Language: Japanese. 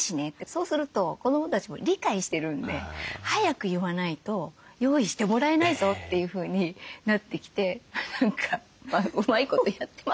そうすると子どもたちも理解してるんで早く言わないと用意してもらえないぞというふうになってきて何かうまいことやってますけど。